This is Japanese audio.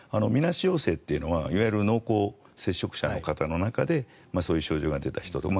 みなし陽性というのはいわゆる濃厚接触者の方の中でそういう症状が出た人。